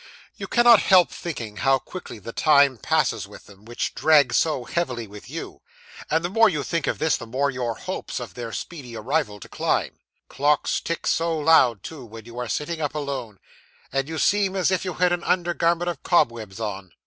You cannot help thinking how quickly the time passes with them, which drags so heavily with you; and the more you think of this, the more your hopes of their speedy arrival decline. Clocks tick so loud, too, when you are sitting up alone, and you seem as if you had an under garment of cobwebs on.